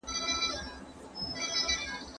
زه هره ورځ سينه سپين کوم،